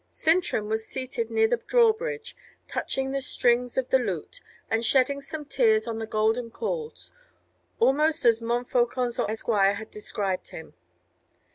Sintram was seated near the drawbridge, touching the strings of the lute, and shedding some tears on the golden chords, almost as Montfaucon's esquire had described him.